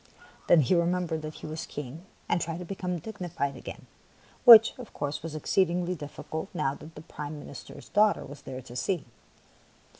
Then he remembered that he was a king, and tried to become digni fied again, which, of course, was exceedingly difficult now that the Prime Minister's daugh ter was there to see.